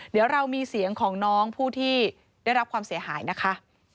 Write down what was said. เดี๋ยวเรามีเสียงของน้องผู้ที่ได้รับความเสียหายนะคะ